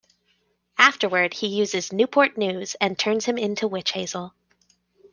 Afterward he uses "Newport News" and turns him into Witch Hazel.